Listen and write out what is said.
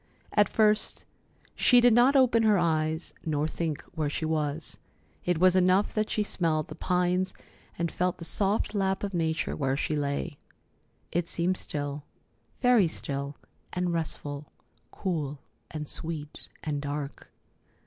At first she did not open her eyes, nor think where she was. It was enough that she smelled the pines and felt the soft lap of nature where she lay. It seemed still, very still and restful; cool and sweet and dark.